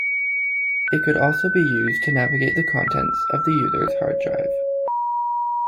It could also be used to navigate the contents of the user's hard drive.